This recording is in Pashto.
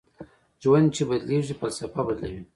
ژوند چې بدلېږي فلسفه بدلوي